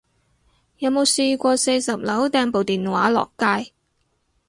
有冇試過四十樓掟部電話落街